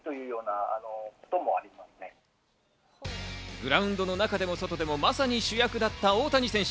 グラウンドの中でも外でも、まさに主役だった大谷選手。